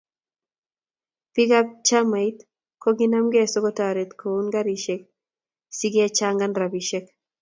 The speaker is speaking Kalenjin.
Biik ab chamait kokinamkei so kotaret koun karisiek si kechangan rabisiek